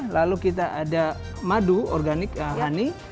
lalu kita ada madu organik honey